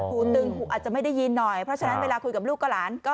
หูตึงหูอาจจะไม่ได้ยินหน่อยเพราะฉะนั้นเวลาคุยกับลูกก็หลาน